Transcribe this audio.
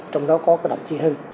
trong đó có cái đồng chí hưng